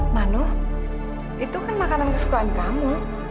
mano itu kan makanan kesukaan kamu